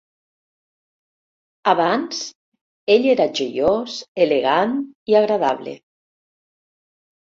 Abans, ell era joiós, elegant i agradable.